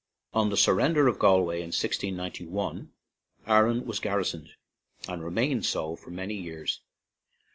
On the surrender of Galway in 1691 Aran was garrisoned, and remained so for many years.